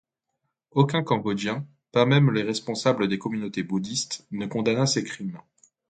Aucun Cambodgien, pas même les responsables des communautés bouddhistes, ne condamna ces crimes.